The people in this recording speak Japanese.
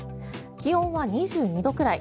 気温は２２度ぐらい。